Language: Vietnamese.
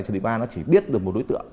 trần thị ba nó chỉ biết được một đối tượng